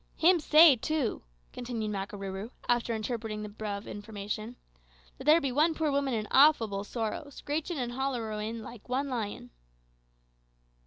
"Hims say, too," continued Makarooroo, after interpreting the above information, "that there be one poor woman in awfable sorrow, screechin' and hollerowin' like one lion."